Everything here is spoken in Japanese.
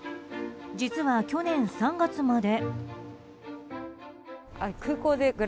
実は去年３月まで。